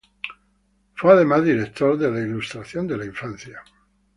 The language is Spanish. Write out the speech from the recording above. Fue además director de "La Ilustración de la Infancia".